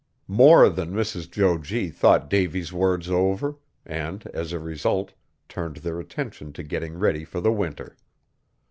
More than Mrs. Jo G. thought Davy's words over, and, as a result, turned their attention to getting ready for the winter.